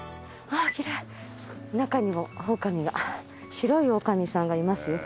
白いオオカミさんがいますよ。